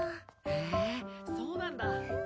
へえそうなんだ！